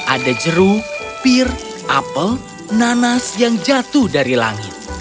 ada jeruk pir apel nanas yang jatuh dari langit